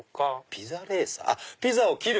ピザレーサー？あっピザを切る！